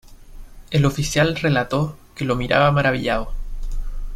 El oficial relató que lo miraba maravillado.